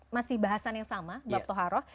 masih bahasan yang sama mbak toharoh